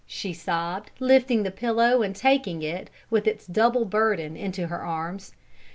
she sobbed, lifting the pillow and taking it, with its double burden, into her arms.